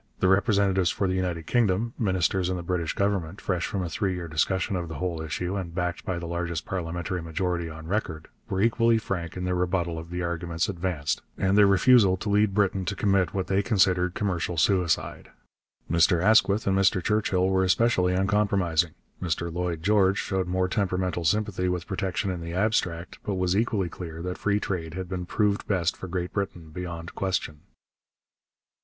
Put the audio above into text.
The representatives for the United Kingdom, ministers in the British Government, fresh from a three year discussion of the whole issue and backed by the largest parliamentary majority on record, were equally frank in their rebuttal of the arguments advanced and their refusal to lead Britain to commit what they considered commercial suicide. Mr Asquith and Mr Churchill were especially uncompromising; Mr Lloyd George showed more temperamental sympathy with protection in the abstract, but was equally clear that free trade had been proved best for Great Britain beyond question.